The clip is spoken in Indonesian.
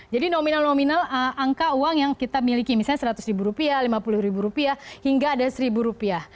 jadi nominal nominal angka uang yang kita miliki misalnya seratus ribu rupiah lima puluh ribu rupiah hingga ada seribu rupiah